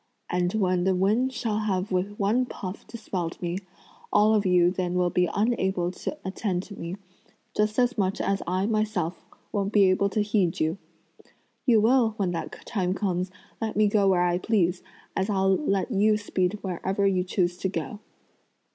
And when the wind shall have with one puff dispelled me, all of you then will be unable to attend to me, just as much as I myself won't be able to heed you. You will, when that time comes, let me go where I please, as I'll let you speed where you choose to go!"